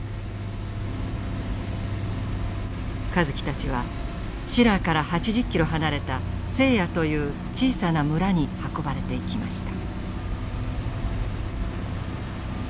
香月たちはシラーから８０キロ離れたセーヤという小さな村に運ばれていきました。